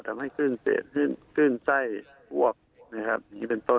ทำให้ขึ้นเศษขึ้นไส้อวบนะครับอย่างนี้เป็นต้น